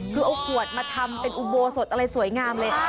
คือเอาขวดมาทำเป็นอุโบสถอะไรสวยงามเลย